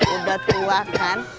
obat ku akan